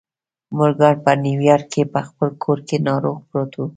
مورګان په نیویارک کې په خپل کور کې ناروغ پروت و